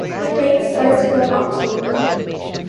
The rain starts from October.